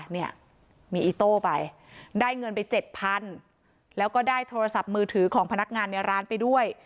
เนี่ยมีอีโต้ไปได้เงินไปเจ็ดพันแล้วก็ได้โทรศัพท์มือถือของพนักงานในร้านไปด้วย